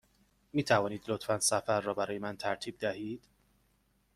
می توانید لطفاً سفر را برای من ترتیب دهید؟